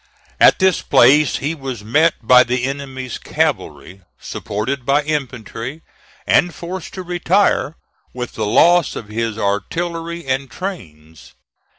At this place he was met by the enemy's cavalry, supported by infantry, and forced to retire, with the loss of his artillery and trains.